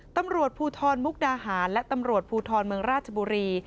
ตำรวจภูทรมุกดาหารและตำรวจภูทรเมืองราชบุรี